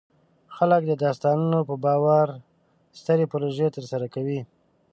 خلک د داستانونو په باور سترې پروژې ترسره کوي.